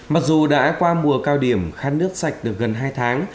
mặc dù đã qua mùa cao điểm khăn nước sạch được gần hai tháng